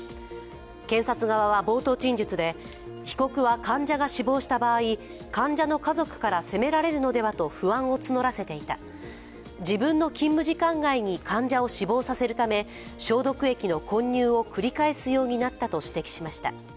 検察側は冒頭陳述で、被告は患者が死亡した場合、患者の家族から責められるのではと不安を募らせていた、自分の勤務時間外に患者を死亡させるため消毒液の混入を繰り返すようになったと指摘しました。